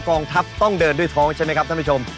กองทัพต้องเดินด้วยท้องใช่ไหมครับท่านผู้ชม